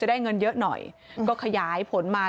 ได้เงินเยอะหน่อยก็ขยายผลมา